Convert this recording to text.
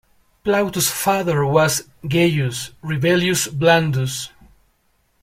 Plautus' father was Gaius Rubellius Blandus.